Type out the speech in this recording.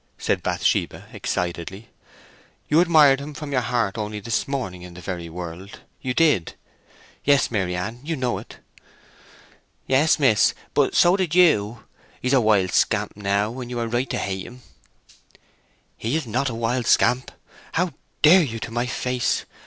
said Bathsheba, excitedly. "You admired him from your heart only this morning in the very world, you did. Yes, Maryann, you know it!" "Yes, miss, but so did you. He is a wild scamp now, and you are right to hate him." "He's not a wild scamp! How dare you to my face!